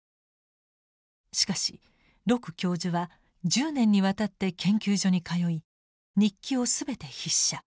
しかし鹿教授は１０年にわたって研究所に通い日記を全て筆写。